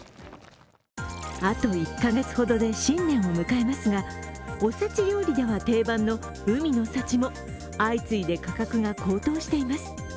あと１カ月ほどで新年を迎えますがお節料理では、定番の海の幸も相次いで価格が高騰しています。